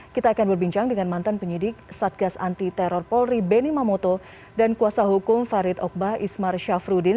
kita akan berbincang dengan mantan penyidik satgas anti teror polri benny mamoto dan kuasa hukum farid ogbah ismar syafruddin